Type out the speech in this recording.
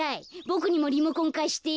ボクにもリモコンかして。